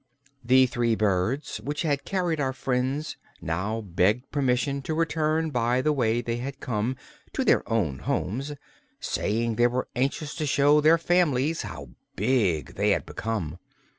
The three birds which had carried our friends now begged permission to return by the way they had come, to their own homes, saying they were anxious to show their families how big they had become.